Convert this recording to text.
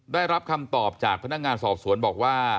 ได้รับคำตอบจากพนักงานสอบสวนบอกว่า